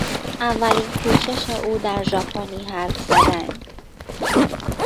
اولین کوشش او در ژاپنی حرف زدن